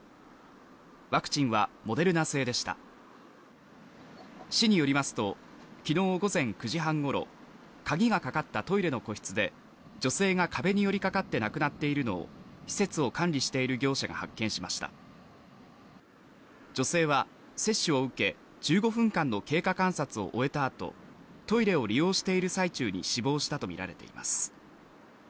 ワクチンはモデルナ製でした市によりますと昨日午前９時半ごろ鍵がかかったトイレの個室で女性が壁に寄りかかって亡くなっているの施設を管理している業者が発見しました女性は接種を受け１５分間の経過観察を終えたあとトイレを利用している最中に死亡したと見られています